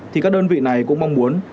thì các đơn vị này cũng mong muốn